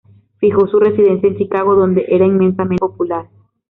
Fijó su residencia en Chicago, donde era inmensamente popular.